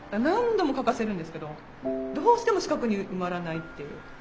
何度も書かせるんですけどどうしても四角に埋まらないっていう。